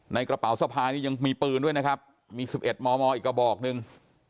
ในกระเป๋าสภานียังมีปืนด้วยนะครับมีสิบเอ็ดมมอีกกระบอกหนึ่ง